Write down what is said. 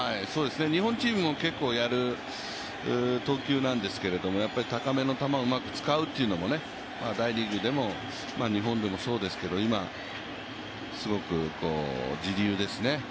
日本チームも結構やる投球なんですけれども、やっぱり高めの球を使うっていうのも大リーグでも日本でもそうですけど、今すごく時流ですね。